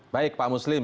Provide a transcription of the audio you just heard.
baik pak muslim